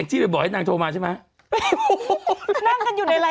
นี่หนุ่มไม่ถึงมีข่าวใช่ไหมเนี่ย